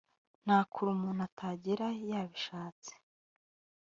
Ntakure umuntu atagera yabishatse